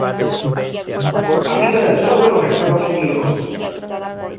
Habita en el sur de los Estados Unidos.